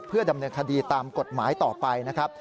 เพื่อดำเนินคดีตามกฎหมายต่อไปนะครับ